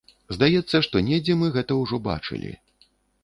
Здаецца, што недзе мы гэта ўжо бачылі.